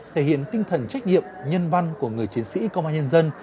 thể hiện tinh thần trách nhiệm nhân văn của người chiến sĩ công an nhân dân